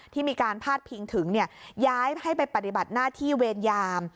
ที่มีการพาดพิงถึงย้ายให้ไปปฏิบัติหน้าที่เวรยาม